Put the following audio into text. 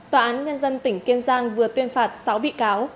tòa án nhân dân tỉnh kiên giang vừa tuyên phạt sáu bị cáo